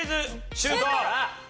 シュート！